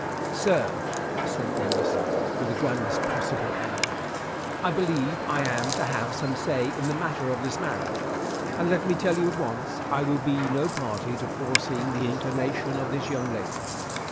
"Sir," said Denis, with the grandest possible air, "I believe I am to have some say in the matter of this marriage; and let me tell you at once, I will be no party to forcing the inclination of this young lady.